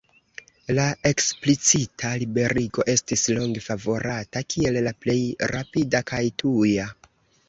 La eksplicita liberigo estis longe favorata, kiel la plej rapida kaj tuja.